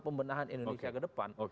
pembenahan indonesia ke depan